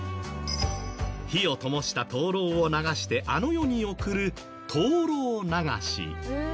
火をともした灯籠を流してあの世に送る「灯籠流し」。